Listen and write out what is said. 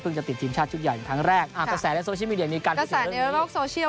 จะติดทีมชาติชุดใหญ่ครั้งแรกอ่ากระแสในโซเชียลมีเดียมีการกระแสลงในโลกโซเชียล